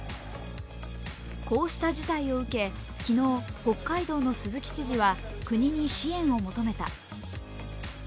こうした事態を受け、昨日、北海道の鈴木知事は国に支援を求めた。